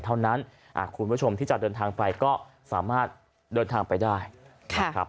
ขอขอรับคุณผู้ผู้ชมที่จะเดินทางไปก็สามารถแรงชาญนะคะ